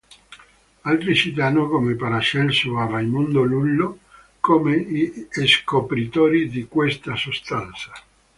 Altri citano come Paracelso o a Raimondo Lullo come i scopritori di questa sostanza.